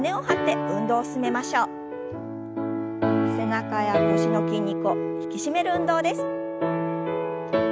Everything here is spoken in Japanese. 背中や腰の筋肉を引き締める運動です。